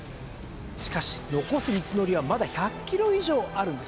しかし残す道のりはまだ１００キロ以上あるんです。